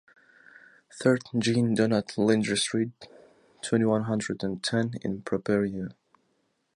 Thirteen Jean Donat Leandri street, twenty, one hundred and ten in Propriano.